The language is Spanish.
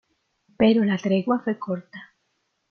Pero la tregua fue corta.